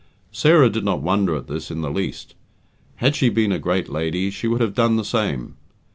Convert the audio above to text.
Sarah did not wonder at this in the least. Had she been a great lady, she would have done the same.